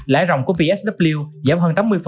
lãi rộng của psw giảm hơn tám mươi